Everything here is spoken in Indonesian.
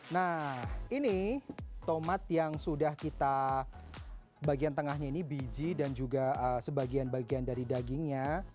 nah ini tomat yang sudah kita bagian tengahnya ini biji dan juga sebagian bagian dari dagingnya